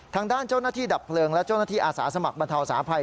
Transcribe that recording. ทางด้านเจ้าหน้าที่ดับเพลิงและเจ้าหน้าที่อาสาสมัครบรรเทาสาภัย